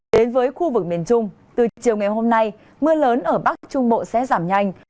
đến với khu vực miền trung từ chiều ngày hôm nay mưa lớn ở bắc trung bộ sẽ giảm nhanh